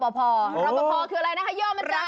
รปพคืออะไรนะคะยอมมันจ้า